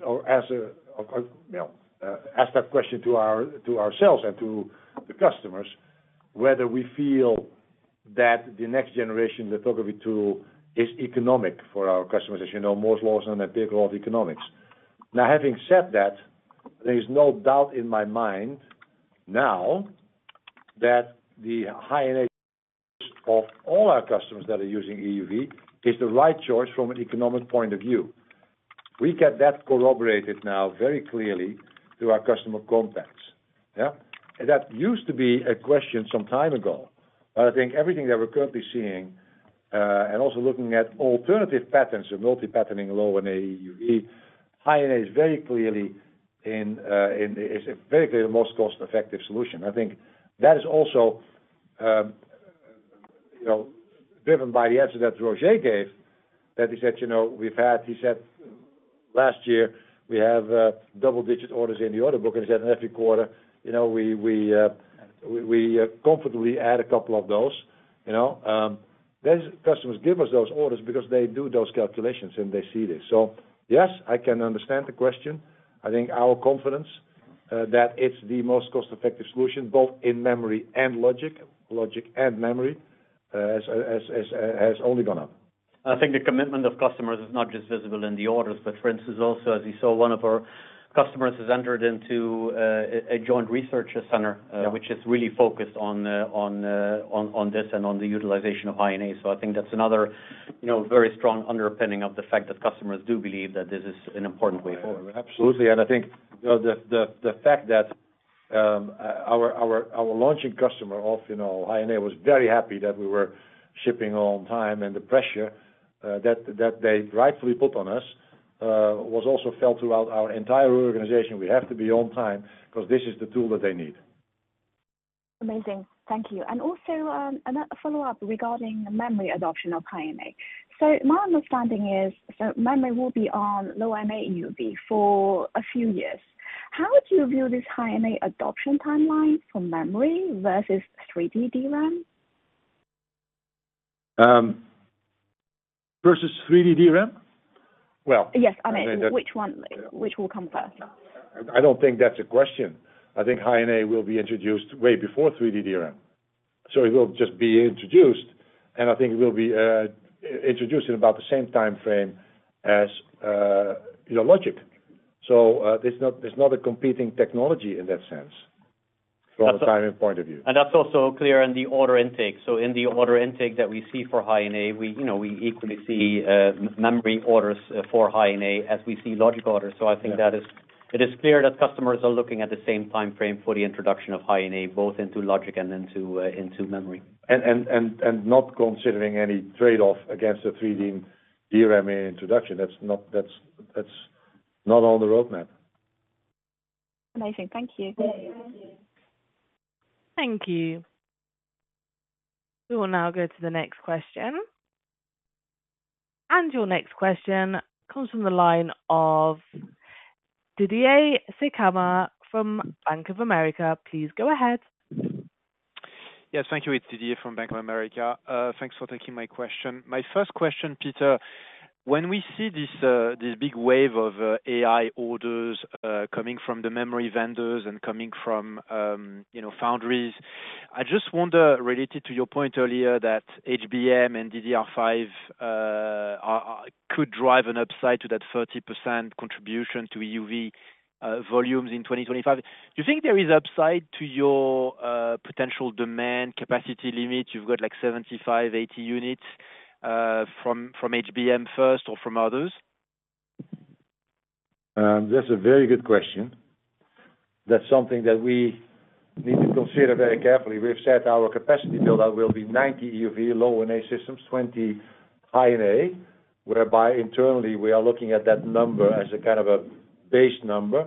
ask that question to ourselves and to the customers, whether we feel that the next generation, the High-NA tool, is economic for our customers. As you know, Moore's Law is on a big law of economics. Now, having said that, there is no doubt in my mind now that the High-NA for all our customers that are using EUV is the right choice from an economic point of view. We get that corroborated now very clearly through our customer contacts. Yeah? That used to be a question some time ago, but I think everything that we're currently seeing, and also looking at alternative patterns of multi-patterning Low NA in an EUV, High NA is very clearly in, is very clearly the most cost-effective solution. I think that is also, you know, driven by the answer that Roger gave, that he said, you know, we've had, he said, last year, we have, double-digit orders in the order book, and he said, and every quarter, you know, we comfortably add a couple of those, you know? Those customers give us those orders because they do those calculations, and they see this. So yes, I can understand the question. I think our confidence that it's the most cost-effective solution, both in memory and logic, logic and memory, has only gone up. I think the commitment of customers is not just visible in the orders, but for instance, also, as you saw, one of our customers has entered into a joint research center. Yeah Which is really focused on this and on the utilization of High NA. So I think that's another, you know, very strong underpinning of the fact that customers do believe that this is an important way forward. Absolutely, and I think, you know, the fact that our launching customer of, you know, High NA was very happy that we were shipping on time, and the pressure that they rightfully put on us was also felt throughout our entire organization. We have to be on time because this is the tool that they need. Amazing. Thank you. And also, another follow-up regarding the memory adoption of High NA. So my understanding is that memory will be on Low NA EUV for a few years. How would you view this High NA adoption timeline for memory versus 3D DRAM? Versus 3D DRAM? Well-- Yes, I mean-- I mean, that-- Which one, which will come first? I don't think that's a question. I think High NA will be introduced way before 3D DRAM. So it will just be introduced, and I think it will be introduced in about the same time frame as, you know, logic. So, there's not, there's not a competing technology in that sense. That's a-- From a timing point of view. That's also clear in the order intake. So in the order intake that we see for High NA, we, you know, we equally see memory orders for High NA as we see logic orders. Yeah. I think it is clear that customers are looking at the same time frame for the introduction of High NA, both into logic and into memory. Not considering any trade-off against the 3D DRAM introduction. That's not on the roadmap. Amazing. Thank you. Thank you. We will now go to the next question. Your next question comes from the line of Didier Scemama from Bank of America. Please go ahead. Yes, thank you. It's Didier from Bank of America. Thanks for taking my question. My first question, Peter, when we see this big wave of AI orders coming from the memory vendors and coming from, you know, foundries, I just wonder, related to your point earlier, that HBM and DDR5 could drive an upside to that 30% contribution to EUV volumes in 2025. You think there is upside to your potential demand capacity limit? You've got, like, 75-80 units from HBM first or from others. That's a very good question. That's something that we need to consider very carefully. We've set our capacity build-out will be 90 EUV Low-NA systems, 20 High-NA, whereby internally we are looking at that number as a kind of a base number.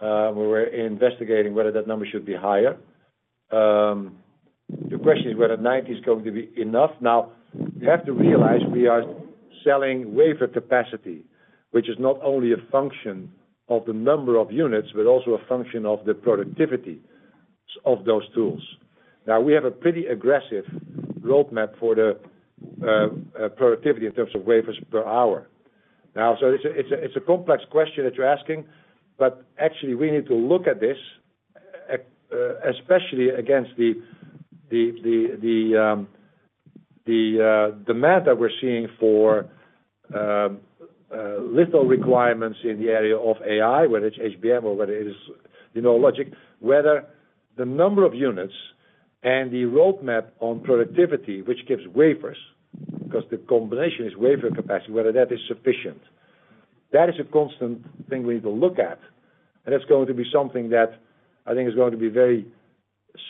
We're investigating whether that number should be higher. The question is whether 90 is going to be enough. Now, you have to realize we are selling wafer capacity, which is not only a function of the number of units, but also a function of the productivity of those tools. Now, we have a pretty aggressive roadmap for the productivity in terms of wafers per hour. Now, so it's a complex question that you're asking, but actually, we need to look at this, especially against the demand that we're seeing for little requirements in the area of AI, whether it's HBM or whether it is, you know, logic. Whether the number of units and the roadmap on productivity, which gives wafers, 'cause the combination is wafer capacity, whether that is sufficient. That is a constant thing we need to look at, and it's going to be something that I think is going to be very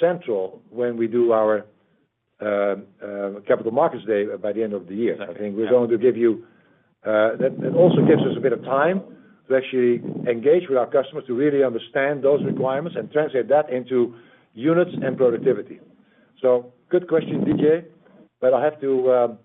central when we do our capital markets day by the end of the year. I think we're going to give you-- That, that also gives us a bit of time to actually engage with our customers to really understand those requirements and translate that into units and productivity. So good question, Didier, but I have to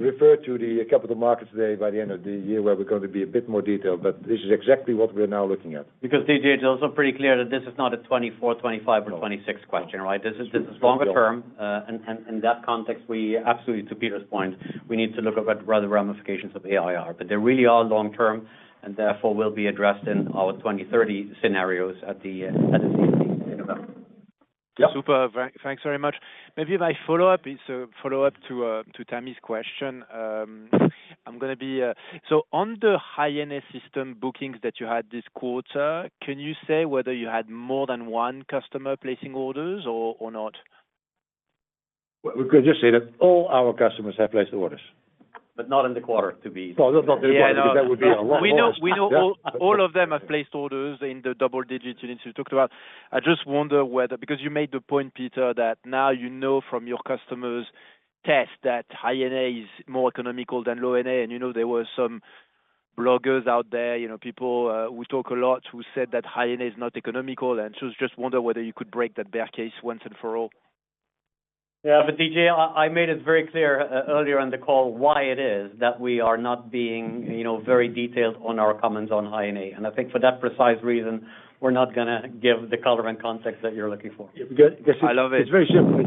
refer to the Capital Markets Day by the end of the year, where we're going to be a bit more detailed, but this is exactly what we're now looking at. Because, Didier, it's also pretty clear that this is not a 2024, 2025 or 2026 question, right? This is, this is longer term, and, and in that context, we absolutely, to Peter's point, we need to look at what the ramifications of AI are. But they really are long term, and therefore, will be addressed in our 2030 scenarios at the end, at the end of November. Yeah. Super. Thanks very much. Maybe my follow-up is a follow-up to Tammy's question. So on the High-NA system bookings that you had this quarter, can you say whether you had more than one customer placing orders or not? Well, we could just say that all our customers have placed orders. But not in the quarter, to be- No, not in the quarter. That would be a lot more. We know, we know all, all of them have placed orders in the double digits units you talked about. I just wonder whether, because you made the point, Peter, that now you know from your customers' test that High-NA is more economical than Low-NA, and you know, there were some bloggers out there, you know, people, who talk a lot, who said that High-NA is not economical. And so I just wonder whether you could break that bear case once and for all. Yeah, but Didier, I made it very clear earlier in the call why it is that we are not being, you know, very detailed on our comments on high-NA. And I think for that precise reason, we're not gonna give the color and context that you're looking for. Good. I love it. It's very simple.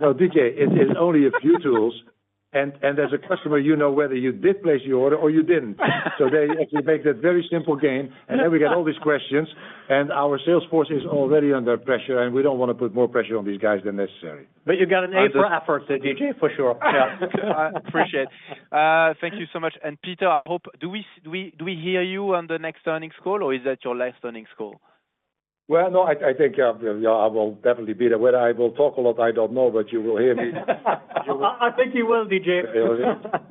No, Didier, it is only a few tools, and as a customer, you know whether you did place your order or you didn't. So they actually make that very simple gain, and then we get all these questions, and our sales force is already under pressure, and we don't want to put more pressure on these guys than necessary. But you got an A for effort, Didier, for sure. I appreciate. Thank you so much. And Peter, I hope--do we hear you on the next earnings call, or is that your last earnings call? Well, no, I think, yeah, I will definitely be there. Whether I will talk a lot, I don't know, but you will hear me. I think you will, Didier.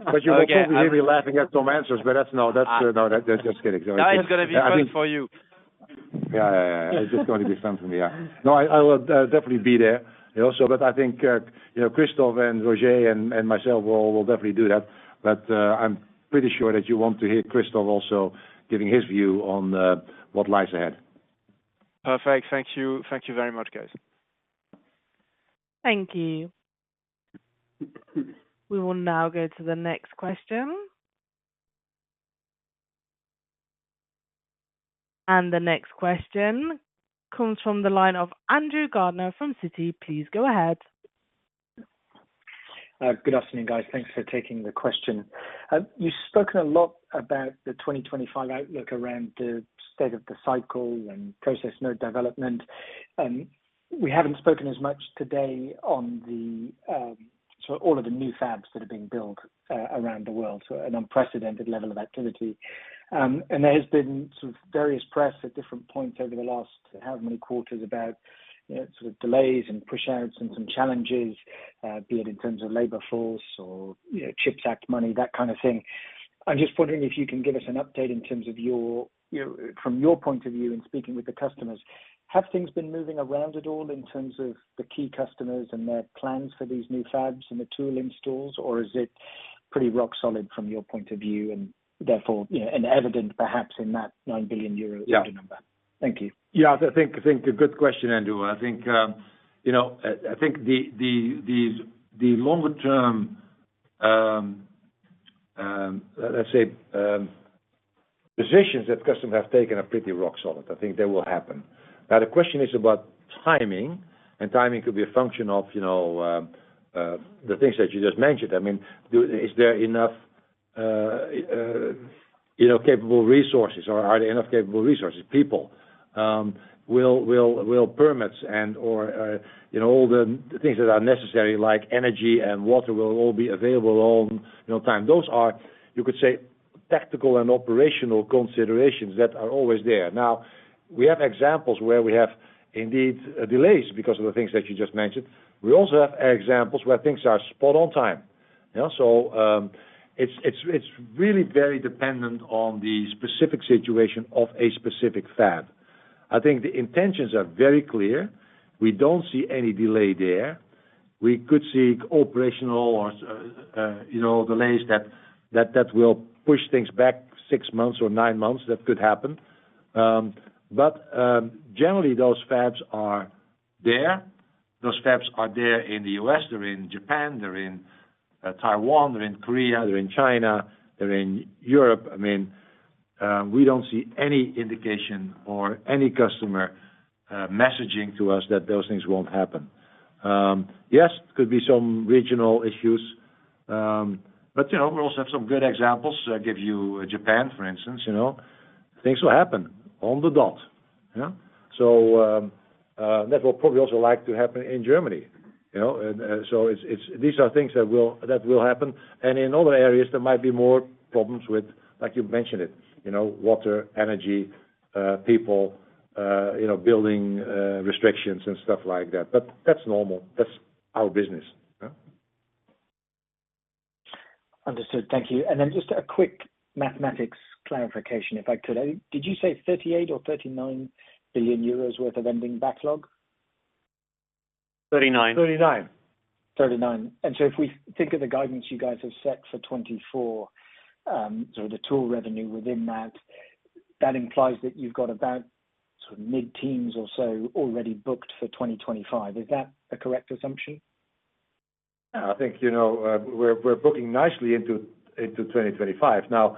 But you will certainly hear me laughing at some answers, but that's-- no, that's just kidding. It's gonna be fun for you. Yeah. It's just going to be fun for me. Yeah. No, I will definitely be there also, but I think, you know, Christophe and Roger and myself, we'll definitely do that. But, I'm pretty sure that you want to hear Christophe also giving his view on what lies ahead. Perfect. Thank you. Thank you very much, guys. Thank you. We will now go to the next question. The next question comes from the line of Andrew Gardiner from Citi. Please go ahead. Good afternoon, guys. Thanks for taking the question. You've spoken a lot about the 2025 outlook around the state of the cycle and process node development, and we haven't spoken as much today on the sort of all of the new fabs that are being built around the world, so an unprecedented level of activity. And there has been sort of various press at different points over the last how many quarters, about, you know, sort of delays and pushouts and some challenges, be it in terms of labor force or, you know, CHIPS Act money, that kind of thing. I'm just wondering if you can give us an update in terms of your, you know, from your point of view in speaking with the customers. Have things been moving around at all in terms of the key customers and their plans for these new fabs and the tool installs? Or is it pretty rock solid from your point of view, and therefore, you know, and evident perhaps in that 9 billion euro order number? Yeah. Thank you. Yeah, I think, I think a good question, Andrew. I think, you know, I think the longer term, let's say, positions that customers have taken are pretty rock solid. I think they will happen. Now, the question is about timing, and timing could be a function of, you know, the things that you just mentioned. I mean, is there enough, you know, capable resources, or are there enough capable resources, people? Will permits and, or, you know, all the things that are necessary, like energy and water, will all be available on, you know, time? Those are, you could say, tactical and operational considerations that are always there. Now, we have examples where we have indeed, delays because of the things that you just mentioned. We also have examples where things are spot on time, you know? So, it's really very dependent on the specific situation of a specific fab. I think the intentions are very clear. We don't see any delay there. We could see operational or, you know, delays that will push things back six months or nine months. That could happen. But generally, those fabs are there. Those fabs are there in the U.S., they're in Japan, they're in Taiwan, they're in Korea, they're in China, they're in Europe. I mean, we don't see any indication or any customer messaging to us that those things won't happen. Yes, could be some regional issues, but, you know, we also have some good examples. I give you Japan, for instance, you know. Things will happen on the dot, yeah? So, that will probably also like to happen in Germany, you know, and so it's--these are things that will, that will happen. And in other areas, there might be more problems with, like, you mentioned it, you know, water, energy, people, you know, building restrictions and stuff like that. But that's normal. That's our business, yeah. Understood. Thank you. Just a quick mathematics clarification, if I could. Did you say 38 billion or 39 billion euros worth of ending backlog? Thirty-nine. Thirty-nine. Thirty-nine. So if we think of the guidance you guys have set for 2024, sort of the tool revenue within that, that implies that you've got about sort of mid-teens or so already booked for 2025. Is that a correct assumption? Yeah, I think, you know, we're booking nicely into 2025. Now,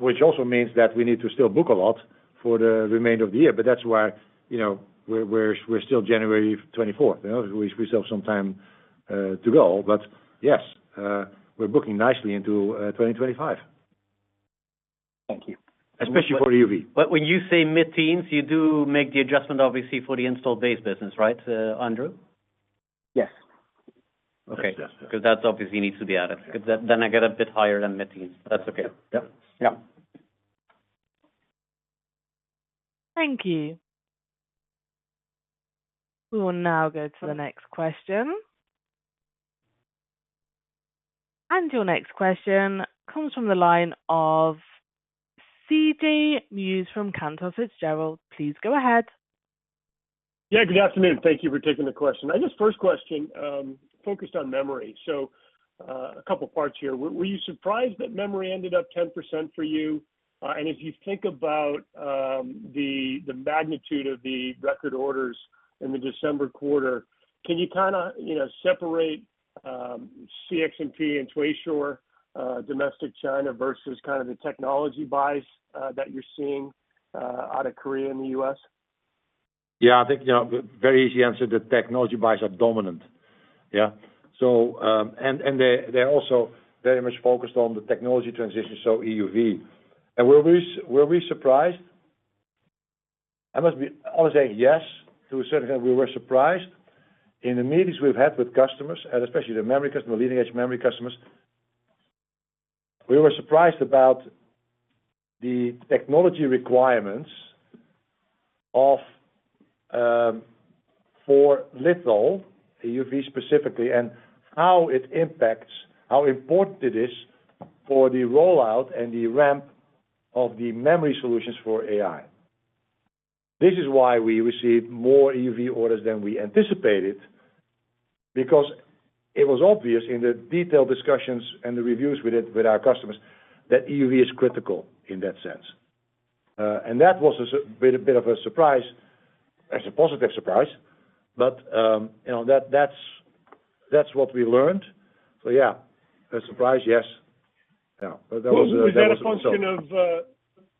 which also means that we need to still book a lot for the remainder of the year, but that's why, you know, we're still January 24th, you know. We still have some time to go. But yes, we're booking nicely into 2025. Thank you. Especially for EUV. But when you say mid-teens, you do make the adjustment, obviously, for the installed base business, right, Andrew? Yes. Okay. Yes. Because that obviously needs to be added. Because then I get a bit higher than mid-teens. That's okay. Yeah. Yeah. Thank you. We will now go to the next question. Your next question comes from the line of C.J. Muse from Cantor Fitzgerald. Please go ahead. Yeah, good afternoon. Thank you for taking the question. My first question focused on memory. A couple parts here. Were you surprised that memory ended up 10% for you? And if you think about the magnitude of the record orders in the December quarter, can you kind of, you know, separate TSMC and Taiwan or domestic China versus kind of the technology buys that you're seeing out of Korea and the U.S.? Yeah, I think, you know, very easy answer. The technology buys are dominant. Yeah. So, and they, they're also very much focused on the technology transition, so EUV. And were we, were we surprised? I would say yes, to a certain, we were surprised. In the meetings we've had with customers, and especially the memory customers, leading-edge memory customers, we were surprised about the technology requirements of, for litho, EUV specifically, and how it impacts, how important it is for the rollout and the ramp of the memory solutions for AI. This is why we received more EUV orders than we anticipated, because it was obvious in the detailed discussions and the reviews we did with our customers, that EUV is critical in that sense. And that was a bit of a surprise. It's a positive surprise, but you know, that's what we learned. So yeah, a surprise, yes. Yeah, but that was a-- Well, was that a function of?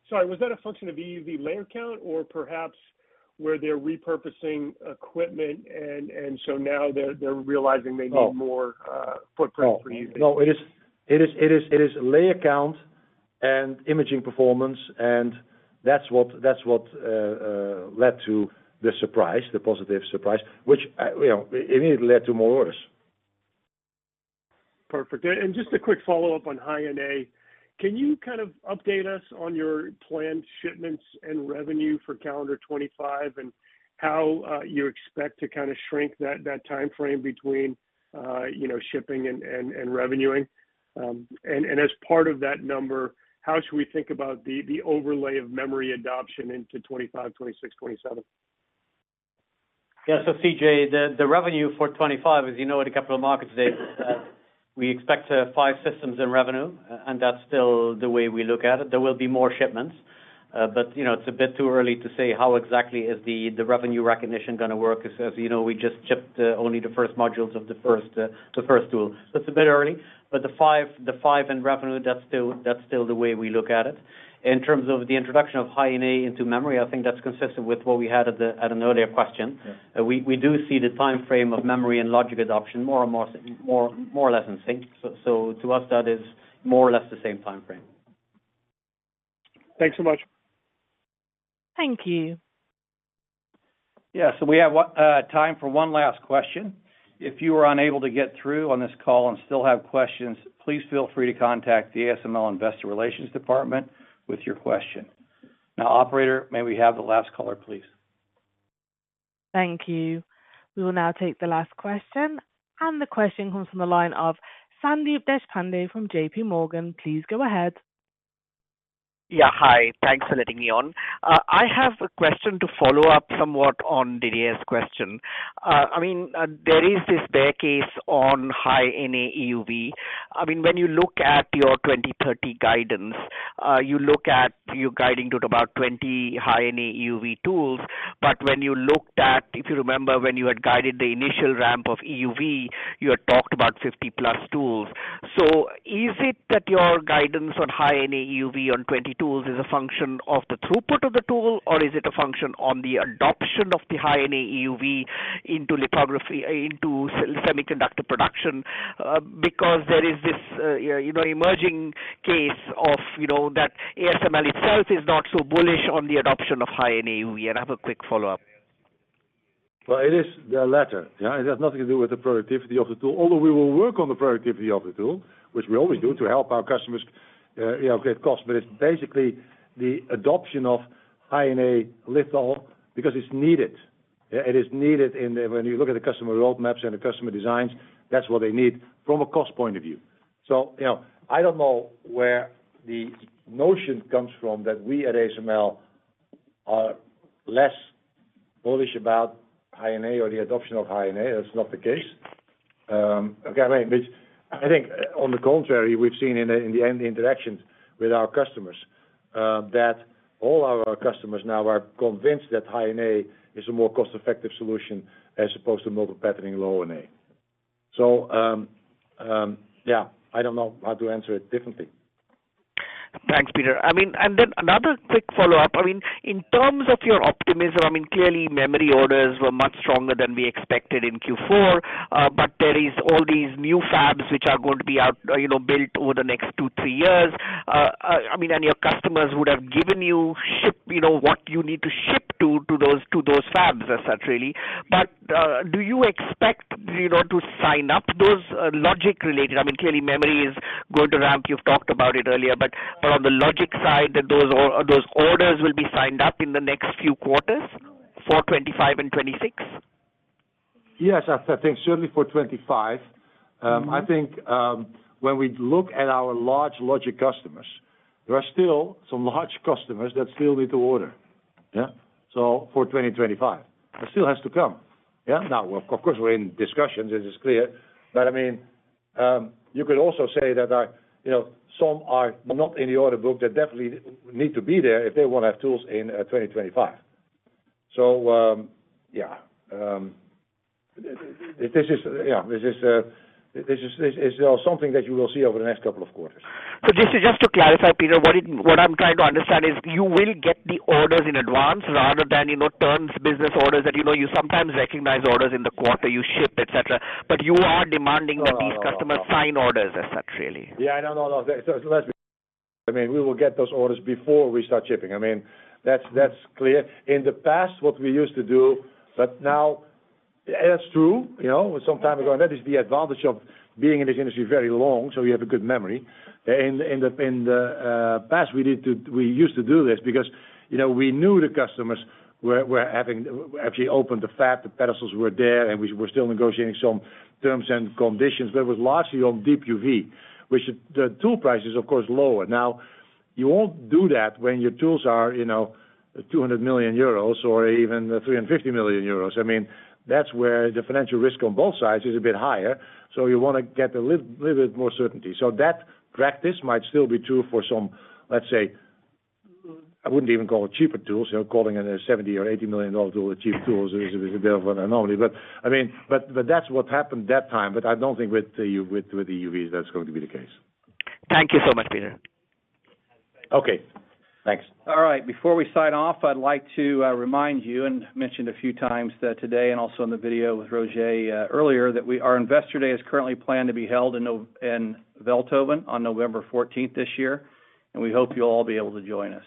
Sorry, was that a function of EUV layer count or perhaps where they're repurposing equipment and so now they're realizing they need-- No --more, footprint for EUV? No. It is layer count and imaging performance, and that's what led to the surprise, the positive surprise, which, you know, immediately led to more orders. Perfect. And just a quick follow-up on High NA. Can you kind of update us on your planned shipments and revenue for calendar 2025, and how you expect to kind of shrink that timeframe between, you know, shipping and revenuing? And as part of that number, how should we think about the overlay of memory adoption into 2025, 2026, 2027? Yeah. So C.J., the revenue for 2025, as you know, at the capital markets day, we expect 5 systems in revenue, and that's still the way we look at it. There will be more shipments, but you know, it's a bit too early to say how exactly the revenue recognition gonna work. As you know, we just shipped only the first modules of the first tool. So it's a bit early, but the 5 in revenue, that's still the way we look at it. In terms of the introduction of High NA into memory, I think that's consistent with what we had at an earlier question. Yeah. We do see the time frame of memory and logic adoption more and more or less in sync. So to us, that is more or less the same time frame. Thanks so much. Thank you. Yeah. So we have one time for one last question. If you were unable to get through on this call and still have questions, please feel free to contact the ASML Investor Relations Department with your question. Now, operator, may we have the last caller, please? Thank you. We will now take the last question, and the question comes from the line of Sandeep Deshpande from JPMorgan. Please go ahead. Yeah, hi. Thanks for letting me on. I have a question to follow up somewhat on Didier's question. I mean, there is this bear case on High-NA EUV. I mean, when you look at your 2030 guidance, you look at--you're guiding to about 20 High-NA EUV tools. But when you looked at, if you remember, when you had guided the initial ramp of EUV, you had talked about 50+ tools. So is it that your guidance on High NA EUV on 20 tools is a function of the throughput of the tool, or is it a function on the adoption of the High NA EUV into lithography, into semiconductor production? Because there is this, you know, emerging case of, you know, that ASML itself is not so bullish on the adoption of High NA EUV. I have a quick follow-up. Well, it is the latter. Yeah, it has nothing to do with the productivity of the tool, although we will work on the productivity of the tool, which we always do to help our customers, you know, get costs. But it's basically the adoption of High NA litho because it's needed. It is needed in the-- when you look at the customer roadmaps and the customer designs, that's what they need from a cost point of view. So, you know, I don't know where the notion comes from that we at ASML are less bullish about High NA or the adoption of High NA. That's not the case. Okay, I mean, which I think on the contrary, we've seen in the end interactions with our customers, that all our customers now are convinced that High NA is a more cost-effective solution as opposed to multi-patterning Low-NA. So, yeah, I don't know how to answer it differently. Thanks, Peter. I mean, and then another quick follow-up. I mean, in terms of your optimism, I mean, clearly, memory orders were much stronger than we expected in Q4, but there is all these new fabs which are going to be out, you know, built over the next 2, 3 years. I mean, and your customers would have given you ship, you know, what you need to ship to those fabs as such, really. But, do you expect, you know, to sign up those logic related? I mean, clearly, memory is going to ramp. You've talked about it earlier, but on the logic side, those orders will be signed up in the next few quarters for 2025 and 2026? Yes, I think certainly for 2025. I think, when we look at our large logic customers, there are still some large customers that still need to order. Yeah, so for 2025, it still has to come. Yeah. Now, of course, we're in discussions, this is clear, but I mean, you could also say that, you know, some are not in the order book. They definitely need to be there if they want to have tools in, 2025. So, yeah, this is something that you will see over the next couple of quarters. So just to clarify, Peter, what I'm trying to understand is you will get the orders in advance rather than, you know, turns business orders that, you know, you sometimes recognize orders in the quarter you ship, et cetera. But you are demanding that these customers sign orders as such, really? Yeah, I know. No, no. So let's-- I mean, we will get those orders before we start shipping. I mean, that's, that's clear. In the past, what we used to do, but now-- that's true. You know, some time ago, and that is the advantage of being in this industry very long, so we have a good memory. In the past, we used to do this because, you know, we knew the customers were having actually opened the fab, the pedestals were there, and we were still negotiating some terms and conditions. There was largely on Deep UV, which the tool price is, of course, lower. Now, you won't do that when your tools are, you know, 200 million euros or even 350 million euros. I mean, that's where the financial risk on both sides is a bit higher, so you want to get a little, little bit more certainty. So that practice might still be true for some, let's say, I wouldn't even call it cheaper tools. You know, calling it a $70 million or $80 million tool, a cheap tool is a bit of an anomaly. But, I mean, but, but that's what happened that time. But I don't think with the EUVs, that's going to be the case. Thank you so much, Peter. Okay, thanks. All right. Before we sign off, I'd like to remind you, as mentioned a few times today, and also in the video with Roger earlier, that our Investor Day is currently planned to be held in Veldhoven on November 14th this year, and we hope you'll all be able to join us.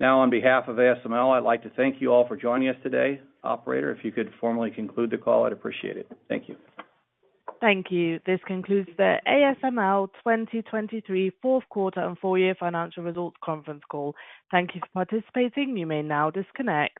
Now, on behalf of ASML, I'd like to thank you all for joining us today. Operator, if you could formally conclude the call, I'd appreciate it. Thank you. Thank you. This concludes the ASML 2023 Fourth Quarter and Full Year Financial Results Conference Call. Thank you for participating. You may now disconnect.